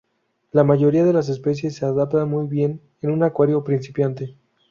La mayoría de las especies se adaptan muy bien en un acuario principiante.